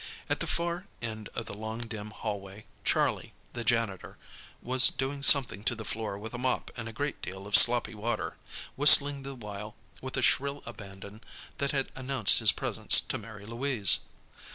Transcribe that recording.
At the far end of the long, dim hallway Charlie, the janitor, was doing something to the floor with a mop and a great deal of sloppy water, whistling the while with a shrill abandon that had announced his presence to Mary Louise.